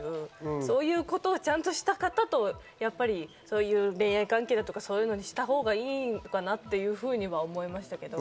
そういうことをちゃんとした方とそういう恋愛関係だとかをしたほうがいいのかなっていうふうには思いましたけど。